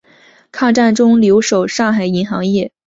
抗战中留守上海银行业。